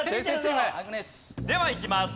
ではいきます。